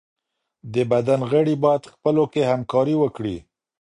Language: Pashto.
د بدن غړي بايد خپلو کي همکاري وکړي.